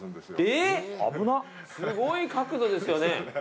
すごい角度ですよね。